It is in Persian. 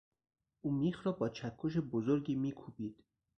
او میخ را با چکش بزرگی میکوبید.